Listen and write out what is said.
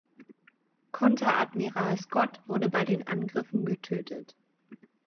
Konteradmiral Scott wurde bei den Angriffen getötet.